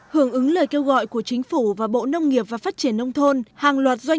hưởng ứng lời kêu gọi của chính phủ và bộ nông nghiệp và phát triển nông thôn hàng loạt doanh